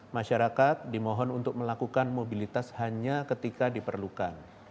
masyarakat dimohon untuk melakukan mobilitas hanya ketika diperlukan